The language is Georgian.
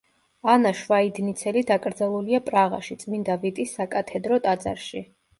ანა შვაიდნიცელი დაკრძალულია პრაღაში, წმინდა ვიტის საკათედრო ტაძარში.